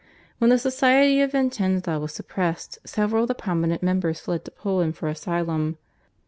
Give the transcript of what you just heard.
When the society at Vicenza was suppressed several of the prominent members fled to Poland for asylum.